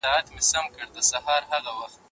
مېوه او سبزیجات تازه ساتل پکار دي.